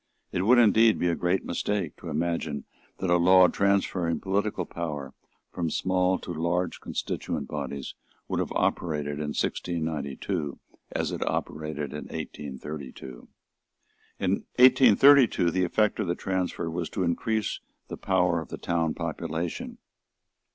It would indeed be a great mistake to imagine that a law transferring political power from small to large constituent bodies would have operated in 1692 as it operated in 1832. In 1832 the effect of the transfer was to increase the power of the town population.